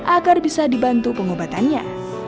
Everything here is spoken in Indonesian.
agar bisa dibantu pengobatannya